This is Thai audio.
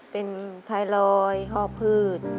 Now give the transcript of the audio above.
เป็นไทลอยด์ฮพืช